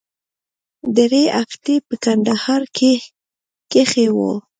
درې هفتې په کندهار کښې وو.